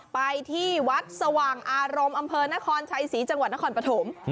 ไปที่วัดสว่างอารมณ์อำเภอนครชัยศรีจังหวัดนครปฐม